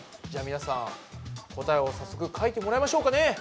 じゃみなさん答えを早速書いてもらいましょうかね。